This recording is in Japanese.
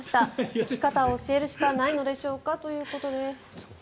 生き方を教えるしかないのでしょうかということです。